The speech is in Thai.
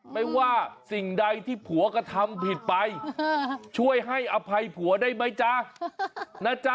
ไม่ว่าสิ่งใดที่ผัวกระทำผิดไปช่วยให้อภัยผัวได้ไหมจ๊ะนะจ๊ะ